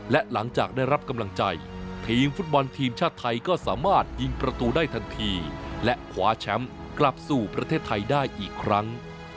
และหลังจากได้รับกำลังใจทีมฟุตบอลทีมชาติไทยก็สามารถยิงประตูได้ทันทีและคว้าแชมป์กลับสู่ประเทศไทยได้อีกครั้ง